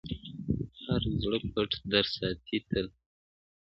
هر زړه پټ درد ساتي تل,